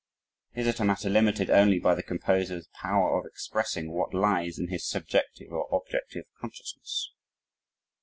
Is it a matter limited only by the composer's power of expressing what lies in his subjective or objective consciousness?